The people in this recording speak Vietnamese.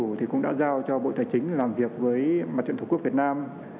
chính phủ thì cũng đã giao cho bộ trái chính làm việc với mặt trận thủ quốc việt nam